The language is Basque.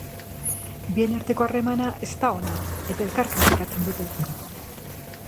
Bien arteko harremana ez da ona eta elkar kritikatzen dute.